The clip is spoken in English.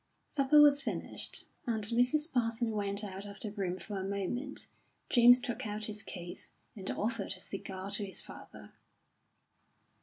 Supper was finished, and Mrs. Parsons went out of the room for a moment. James took out his case and offered a cigar to his father.